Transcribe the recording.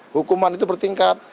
hukuman itu bertingkat